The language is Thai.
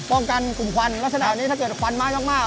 ป้องกันกลุ่มควันราชดาวนี้ถ้าเกิดควันมาก